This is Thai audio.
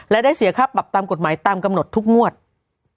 และได้เสียค่าปรับตามกฎหมายตามกำหนดทุกงวด